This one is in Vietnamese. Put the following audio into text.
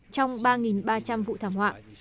trong ba ba trăm linh vụ thảm họa